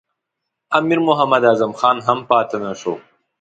امیر محمد اعظم خان هم پاته نه شو.